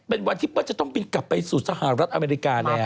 เป็นวันที่เปิ้ลจะต้องบินกลับไปสู่สหรัฐอเมริกาแล้ว